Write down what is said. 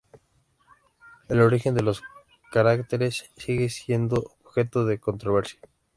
El origen de los caracteres sigue siendo objeto de controversia.